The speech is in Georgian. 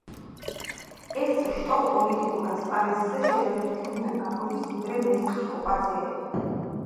ეს შტო პოლიტიკურ ასპარეზზე შედარებით გვიან გამოდის ვიდრე მესხი კოპაძეები.